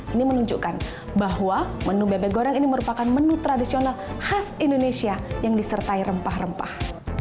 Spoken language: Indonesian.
ini menunjukkan bahwa menu bebek goreng ini merupakan menu tradisional khas indonesia yang disertai rempah rempah